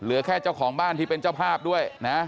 เหลือแค่เจ้าของบ้านที่เป็นเจ้าภาพด้วยนะ